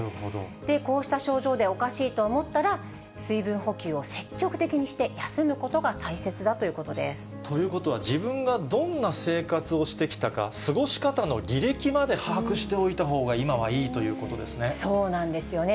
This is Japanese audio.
こうした症状でおかしいと思ったら、水分補給を積極的にして、ということは、自分がどんな生活をしてきたか、過ごし方の履歴まで把握しておいたほうが、そうなんですよね。